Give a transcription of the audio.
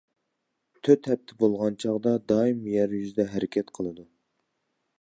تۆت ھەپتە بولغان چاغدا، دائىم يەر يۈزىدە ھەرىكەت قىلىدۇ.